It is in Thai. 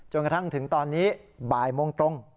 กระทั่งถึงตอนนี้บ่ายโมงตรง